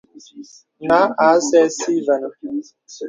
Nǎ à sɛ̀ɛ̀ si və̀nə̀.